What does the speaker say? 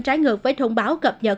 trái ngược với thông báo cập nhật